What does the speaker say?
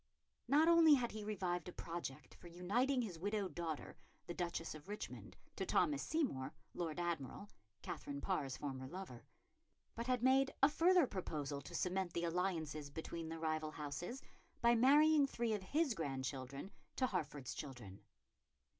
Not only had he revived a project for uniting his widowed daughter, the Duchess of Richmond, to Thomas Seymour, Lord Admiral, Katherine Parr's former lover, but had made a further proposal to cement the alliance between the rival houses by marrying three of his grandchildren to Hertford's children.